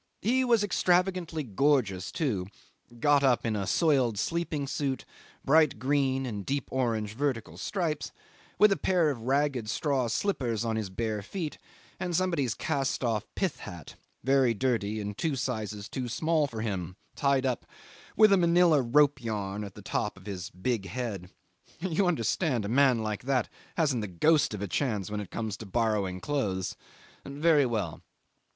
He was extravagantly gorgeous too got up in a soiled sleeping suit, bright green and deep orange vertical stripes, with a pair of ragged straw slippers on his bare feet, and somebody's cast off pith hat, very dirty and two sizes too small for him, tied up with a manilla rope yarn on the top of his big head. You understand a man like that hasn't the ghost of a chance when it comes to borrowing clothes. Very well.